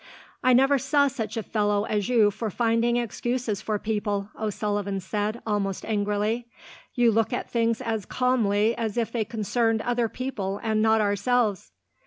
"I never saw such a fellow as you for finding excuses for people," O'Sullivan said, almost angrily. "You look at things as calmly as if they concerned other people, and not ourselves."